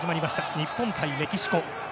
日本対メキシコ。